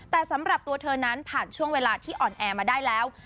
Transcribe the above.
แต่สำหรับตัวเธอนั้นผ่านช่วงเวลาที่อ่อนแอมาได้แล้ว